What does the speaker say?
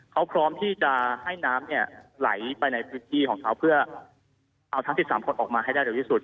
เขาพร้อมที่จะให้น้ำเนี่ยไหลไปในพื้นที่ของเขาเพื่อเอาทั้ง๑๓คนออกมาให้ได้เร็วที่สุด